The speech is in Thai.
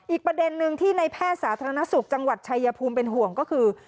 อีกประเด็นนึงที่ในแพทย์สาธารณสุขจังหวัดชายภูมิเป็นห่วงก็คือ